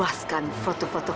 aku akan terus jaga kamu